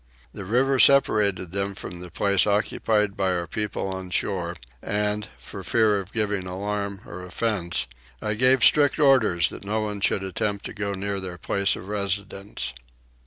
The river separated them from the place occupied by our people on shore and, for fear of giving alarm or offence, I gave strict orders that no one should attempt to go near their place of residence.